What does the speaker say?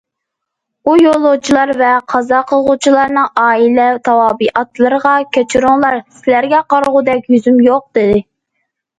ئۇ يولۇچىلار ۋە قازا قىلغۇچىلارنىڭ ئائىلە تاۋابىئاتلىرىغا« كەچۈرۈڭلار، سىلەرگە قارىغۇدەك يۈزۈم يوق» دېدى.